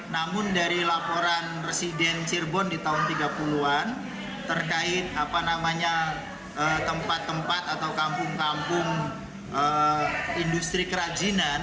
namun dari laporan residen cirebon di tahun tiga puluh an terkait tempat tempat atau kampung kampung industri kerajinan